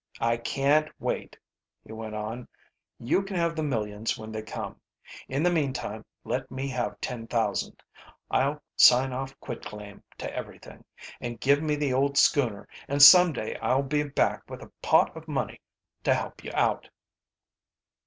"I can't wait," he went on. "You can have the millions when they come. In the meantime let me have ten thousand. I'll sign off quitclaim to everything. And give me the old schooner, and some day I'll be back with a pot of money to help you out."